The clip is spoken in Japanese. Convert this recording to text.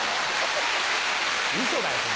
ウソだよ。